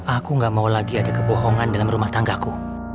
aku gak mau lagi ada kebohongan dalam rumah tanggaku